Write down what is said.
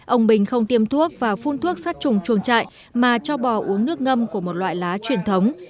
ông bình không tiêm thuốc và phun thuốc sát trùng chuồng trại mà cho bò uống nước ngâm của một loại lá truyền thống